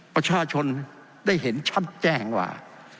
ประชาชนได้เห็นชัดแจ้งว่า